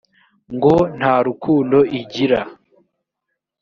ngo nta rukundo igira